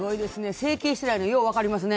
整形してないのよう分かりますね。